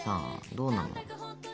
どうなの？